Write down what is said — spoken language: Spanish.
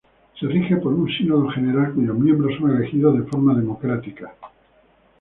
Se rige por un Sínodo General cuyos miembros son elegidos de forma democrática.